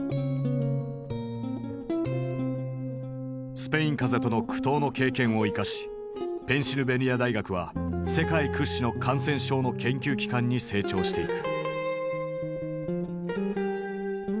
スペイン風邪との苦闘の経験を生かしペンシルベニア大学は世界屈指の感染症の研究機関に成長していく。